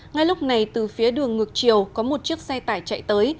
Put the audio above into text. ngay lúc này từ phía đường ngược chiều có một chiếc xe tải chạy tới